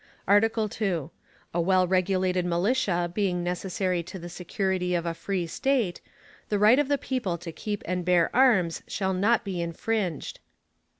ARTICLE II. A well regulated Militia, being necessary to the security of a free State, the right of the people to keep and bear Arms, shall not be infringed.